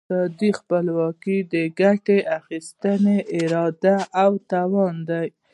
اقتصادي خپلواکي د ګټې اخیستني اراده او توان دی.